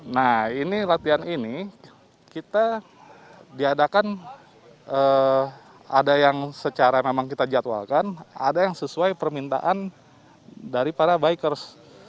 nah ini latihan ini kita diadakan ada yang secara memang kita jadwalkan ada yang sesuai permintaan dari para bikers